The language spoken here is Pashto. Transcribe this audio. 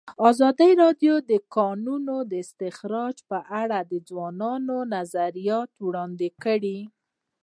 ازادي راډیو د د کانونو استخراج په اړه د ځوانانو نظریات وړاندې کړي.